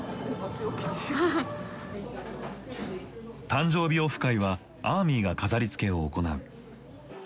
誕生日オフ会はアーミーが飾りつけを行う。